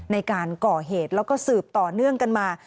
ในการก่อเหตุแล้วก็สืบต่อเนื่องกันมา